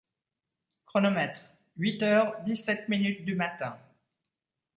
Chronomètre : huit h. dix-sept m. du matin.